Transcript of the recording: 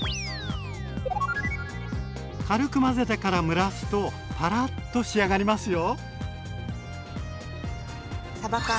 軽く混ぜてから蒸らすとパラッと仕上がりますよ。